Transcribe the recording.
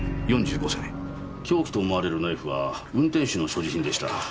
凶器と思われるナイフは運転手の所持品でした。